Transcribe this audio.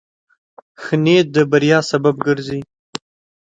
ښه نیت د بریا سبب ګرځي.